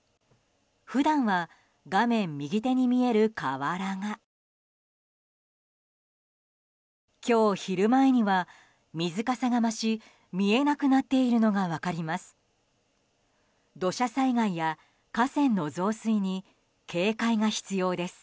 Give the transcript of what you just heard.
普段は画面右手に見える河原が今日昼前には水かさが増し見えなくなっているのが分かります。